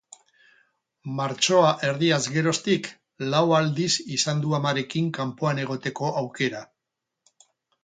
Martxoa erdiaz geroztik, lau aldiz izan du amarekin kanpoan egoteko aukera.